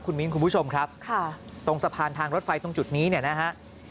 คุณมีนคุณผู้ชมครับตรงสะพานทางรถไฟตรงจุดนี้นะฮะ